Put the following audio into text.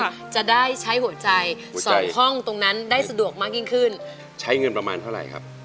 ว่าจะได้ใช้หัวใจสองห้องตรงนั้นได้สะดวกมากยิ่งขึ้นใช้เงินประมาณเท่าไหร่ครับ